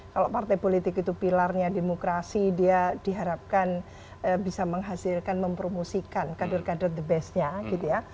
kalau partai politik itu pilarnya demokrasi dia diharapkan bisa menghasilkan mempromosikan kader kader the best nya gitu ya